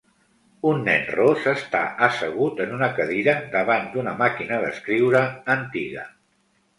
Un nen ros està assegut en una cadira davant d'una màquina d'escriure antiga.